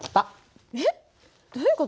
えっどういう事？